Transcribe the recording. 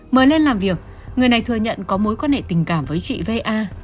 mới lên làm việc người này thừa nhận có mối quan hệ tình cảm với chị va